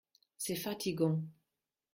C’est fatigant.